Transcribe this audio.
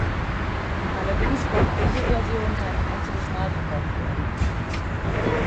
Allerdings konnte diese Version kein einziges Mal verkauft werden.